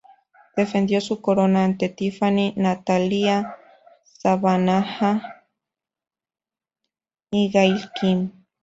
Defendió su corona ante Tiffany, Natalya, Savannah y Gail Kim.